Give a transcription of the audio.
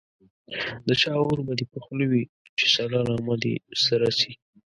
د چا اور به دي په خوله وي چي سړه نغمه دي سره سي